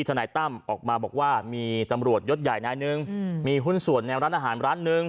นายตั้มออกมาบอกว่ามีตำรวจยศใหญ่นายหนึ่งมีหุ้นส่วนในร้านอาหารร้านหนึ่ง